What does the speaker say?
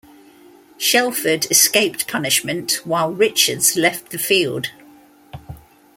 Shelford escaped punishment while Richards left the field.